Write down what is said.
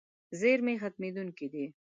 زیرمې ختمېدونکې دي.